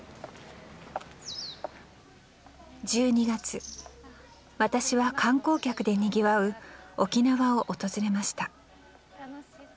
１２月私は観光客でにぎわう沖縄を訪れました。